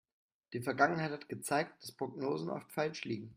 Die Vergangenheit hat gezeigt, dass Prognosen oft falsch liegen.